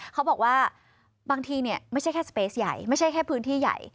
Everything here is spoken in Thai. เขาบอกว่าบางทีไม่ใช่แค่พื้นที่ใหญ่